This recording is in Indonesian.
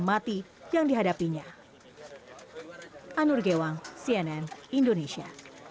budiman mengajukan peninjauan kembali atas poni sukuan mati yang dihadapinya